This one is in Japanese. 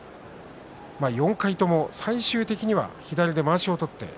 ４回とも最終的には左でまわしを取りました。